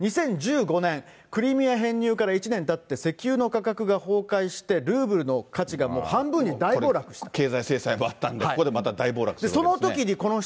２０１５年、クリミア編入から１年たって石油の価格が崩壊して、ルーブルの価値が半分に大暴落し経済制裁もあったんで、ここでまた大暴落したときですね。